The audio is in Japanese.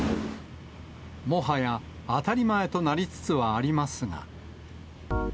もはや当たり前となりつつはありますが。